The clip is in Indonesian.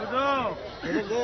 duduk duduk duduk